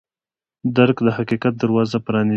درک د حقیقت دروازه پرانیزي.